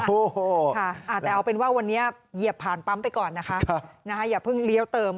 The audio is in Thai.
โอ้โหค่ะแต่เอาเป็นว่าวันนี้เหยียบผ่านปั๊มไปก่อนนะคะอย่าเพิ่งเลี้ยวเติม